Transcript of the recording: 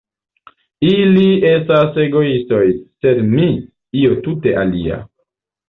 Ili estas egoistoj, sed mi -- io tute alia!